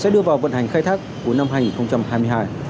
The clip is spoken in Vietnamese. sẽ đưa vào vận hành khai thác cuối năm hai nghìn hai mươi hai